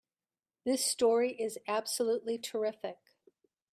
This story is absolutely terrific!